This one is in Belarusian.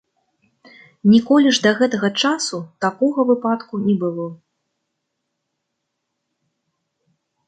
Ніколі ж да гэтага часу такога выпадку не было.